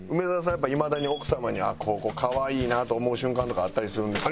やっぱりいまだに奥様にここ可愛いなと思う瞬間とかあったりするんですか？